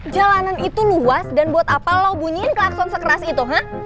jalanan itu luas dan buat apa lo bunyiin klakson sekeras itu